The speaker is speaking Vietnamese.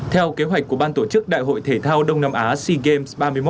theo kế hoạch của ban tổ chức đại hội thể thao đông nam á sea games ba mươi một